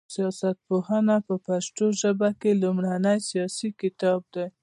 سياست پوهنه په پښتو ژبه کي لومړنی سياسي کتاب دی